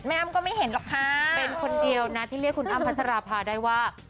แม่อัมก็ไม่เห็นหรอกค้าก็เป็นคนเดียวนะที่เรียกคุณอัมพันธราภาได้ว่า